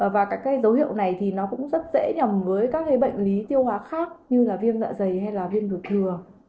và các dấu hiệu này thì nó cũng rất dễ nhầm với các bệnh lý tiêu hóa khác như là viêm dạ dày hay là viêm ruột thừa